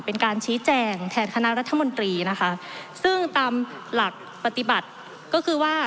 เป็นการชี้แจงแทนคณะรัฐมนตรีนะคะซึ่งตามหลักปฏิบัติก็คือว่า